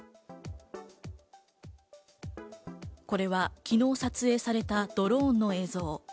これは昨日撮影されたドローンの映像。